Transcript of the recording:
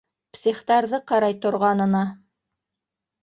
Психтарҙы ҡарай торғанына.